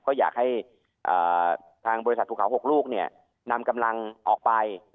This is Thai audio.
ก็อยากให้ทางบริษัทภูเขา๖ลูกนำกำลังออกไป